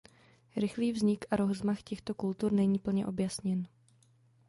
Rychlý vznik a rozmach těchto kultur není plně objasněn.